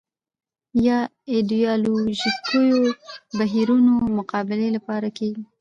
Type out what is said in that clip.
یا ایدیالوژیکو بهیرونو مقابلې لپاره کېږي